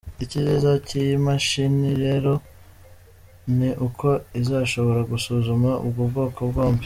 Icyiza cy’iyi mashini rero ni uko izashobora gusuzuma ubwo bwoko bwombi.